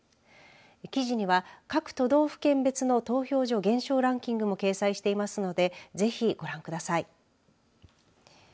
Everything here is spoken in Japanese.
記事には各都道府県別の投票所減少ランキングも掲載していますのでぜひご覧ください。